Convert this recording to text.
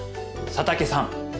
佐竹さん。